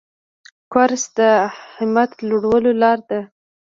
کورس د همت لوړولو لاره ده.